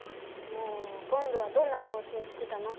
もう今度はどんなもうそうしてたの？